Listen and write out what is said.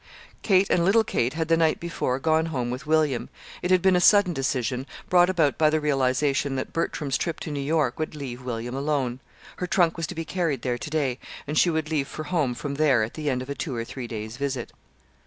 Kate and little Kate had, the night before, gone home with William. It had been a sudden decision, brought about by the realization that Bertram's trip to New York would leave William alone. Her trunk was to be carried there to day, and she would leave for home from there, at the end of a two or three days' visit.